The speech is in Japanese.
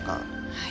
はい。